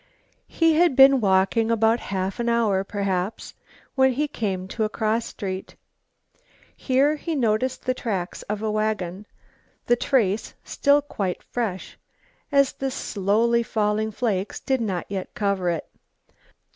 He had been walking about half an hour, perhaps, when he came to a cross street. Here he noticed the tracks of a wagon, the trace still quite fresh, as the slowly falling flakes did not yet cover it.